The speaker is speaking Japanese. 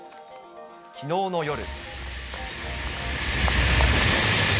きのうの夜。